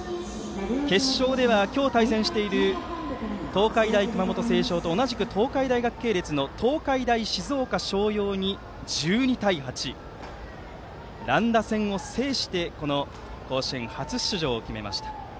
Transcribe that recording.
決勝では今日対戦している東海大熊本星翔と同じく東海大学系列の東海大静岡翔洋に１２対８という乱打戦を制してこの甲子園初出場を決めました。